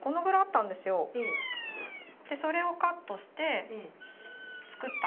それをカットして作った。